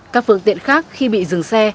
các phương tiện khác khi bị dừng xe